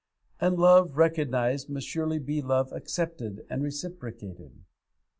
And love recognised must surely be love accepted and reciprocated.